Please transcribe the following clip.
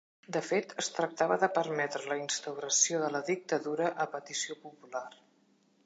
De fet, es tractava de permetre la instauració de la dictadura a petició popular.